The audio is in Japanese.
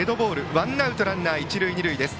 ワンアウトランナー、一塁二塁です。